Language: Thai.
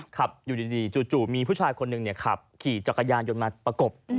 ขับอยู่ดีจู่มีผู้ชายคนหนึ่งขับขี่จักรยานยนต์มาประกบ